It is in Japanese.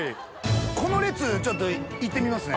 この列ちょっと行ってみますね。